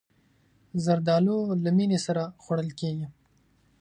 زردالو له مینې سره خوړل کېږي.